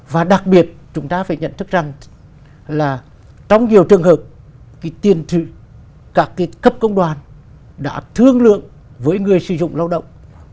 và đặc biệt chúng ta phải nhận thức rằng là trong nhiều trường hợp cái tiền thị các cái cấp công đoàn đã thương lượng với người sử dụng lao động